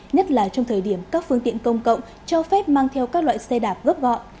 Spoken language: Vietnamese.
nhất là trong thời điểm các phương tiện công cộng cho phép mang theo các loại xe đạp gấp gọn